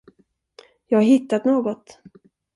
Jag har hittat något.